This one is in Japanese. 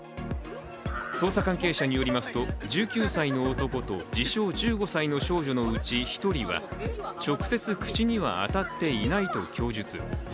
捜査関係者によりますと、１９歳の男と自称１５歳の少女のうち１人は直接口には当たっていないと供述。